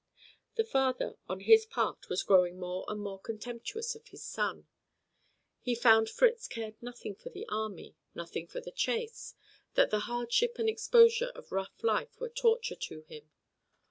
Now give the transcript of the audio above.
The father, on his part, was growing more and more contemptuous of his son. He found Fritz cared nothing for the army, nothing for the chase, that the hardship and exposure of rough life were torture to him.